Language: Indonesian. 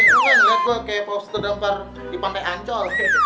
lo kan liat gue kayak poster dengpar di pantai ancol